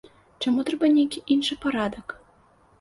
Чаму трэба нейкі іншы парадак?